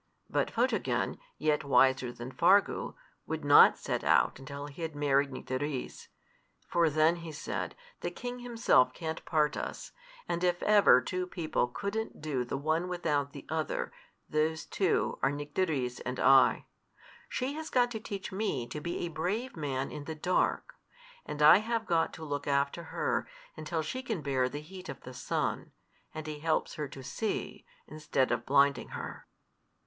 But Photogen, yet wiser than Fargu, would not set out until he had married Nycteris; "for then," he said, "the king himself can't part us; and if ever two people couldn't do the one without the other, those two are Nycteris and I. She has got to teach me to be a brave man in the dark, and I have got to look after her until she can bear the heat of the sun, and he helps her to see, instead of blinding her."